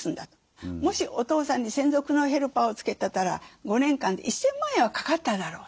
もしお父さんに専属のヘルパーをつけてたら５年間で１，０００万円はかかっただろうと。